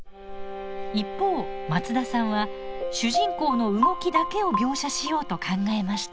一方松田さんは主人公の動きだけを描写しようと考えました。